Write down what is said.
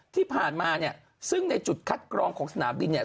ที่ผ่านมาเนี่ยซึ่งในจุดคัดกรองของสนามบินเนี่ย